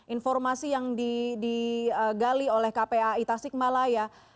informasi yang digali oleh kpa itasik malaya